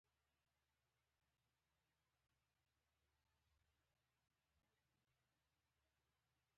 جانداد د نیکو خبرو آواز دی.